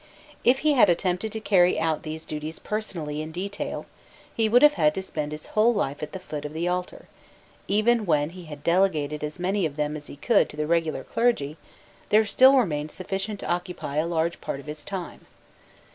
If he had attempted to carry out these duties personally in detail, he would have had to spend his whole life at the foot of the altar; even when he had delegated as many of them as he could to the regular clergy, there still remained sufficient to occupy a large part of his time.